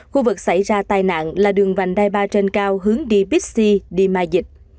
khu vực xảy ra tai nạn là đường vành đai ba trên cao hướng đi pixi đi mai dịch